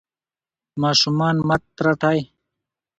ماشومان مه ترټئ.